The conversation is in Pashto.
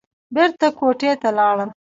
بېرته کوټې ته لاړم.